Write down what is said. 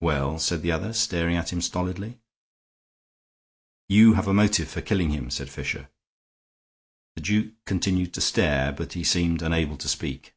"Well?" said the other, staring at him stolidly. "You have a motive for killing him," said Fisher. The duke continued to stare, but he seemed unable to speak.